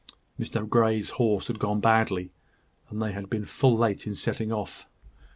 Mr Grey's horse had gone badly, and they had been full late in setting off.